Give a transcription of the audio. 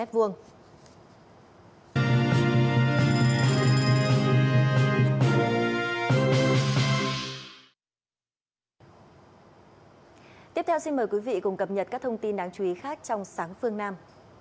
tiếp theo xin mời quý vị cùng cập nhật các thông tin đáng chú ý khác trong sáng phương nam